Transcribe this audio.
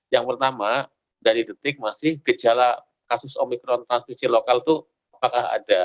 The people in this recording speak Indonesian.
yang pertama dari detik masih gejala kasus omikron transmisi lokal itu apakah ada